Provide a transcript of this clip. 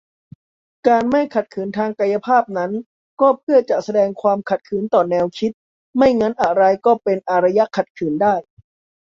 การไม่ขัดขืนทางกายภาพนั้น ก็เพื่อจะแสดงความขัดขืนต่อแนวคิด - ไม่งั้นอะไรก็เป็น "อารยะขัดขืน" ได้